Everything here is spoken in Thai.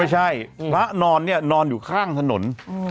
ไม่ใช่พระนอนนี่นอนอยู่ข้างสนุน